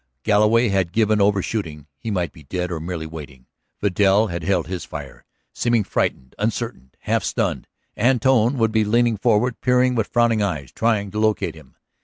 Galloway had given over shooting; he might be dead or merely waiting. Vidal had held his fire, seeming frightened, uncertain, half stunned. Antone would be leaning forward, peering with frowning eyes, trying to locate him.